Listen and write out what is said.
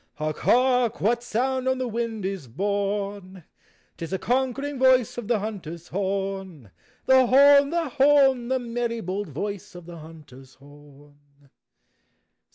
Hark, hark! — What sound on the wind is home? J T is the conquering voice of the hunter's horn: The horn, — the horn! The merry, bold voice of (lie hunter's horn.